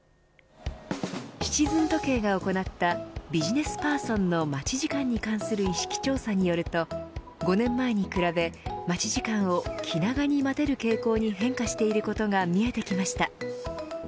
シチズン時計が行ったビジネスパーソンの待ち時間に関する意識調査によると５年前に比べ、待ち時間を気長に待てる傾向に変化していることが見えてきました。